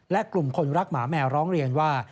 และกลุ่มคนรักหมาแมวร้องเรียนว่า